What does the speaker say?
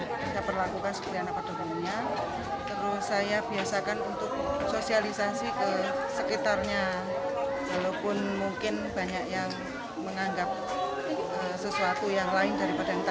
kita perlakukan seperti anak pada umumnya